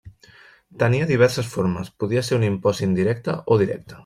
Tenia diverses formes, podia ser un impost indirecte o directe.